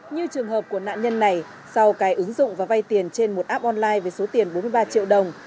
như trường hợp của nạn nhân này sau cái ứng dụng và vay tiền trên một app online với số tiền bốn mươi ba triệu đồng